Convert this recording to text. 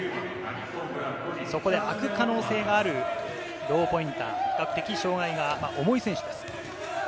そこであく可能性があるローポインター、比較的、障がいが重い選手です。